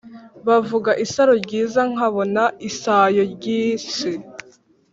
bavuga isaro ryiza nkabona isayo ryinsi